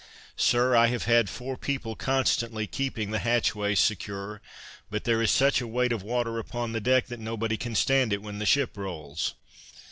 "Sir, I have had four people constantly keeping the hatchways secure, but there is such a weight of water upon the deck that nobody can stand it when the ship rolls."